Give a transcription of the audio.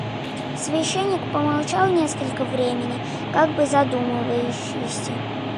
Священник помолчал несколько времени, как бы задумавшись.